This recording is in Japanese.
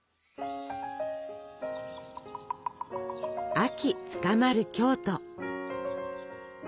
秋深まる京都。